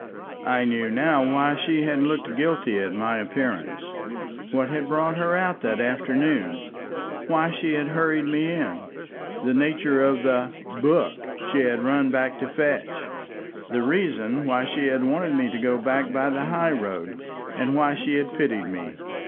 I knew now why she had looked guilty at my appearance, what had brought her out that afternoon, why she had hurried me in, the nature of the "book" she had run back to fetch, the reason why she had wanted me to go back by the high road, and why she had pitied me.